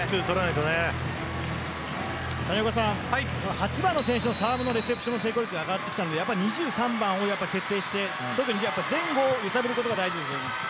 ８番の選手のレセプションの成功率上がってきたので２３番を徹底して前後を揺さぶることが大事です。